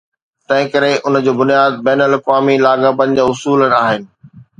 تنهنڪري ان جو بنياد بين الاقوامي لاڳاپن جا اصول آهن.